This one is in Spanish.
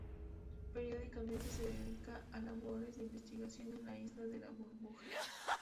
Periódicamente se dedica a labores de investigación en la isla de la Burbuja.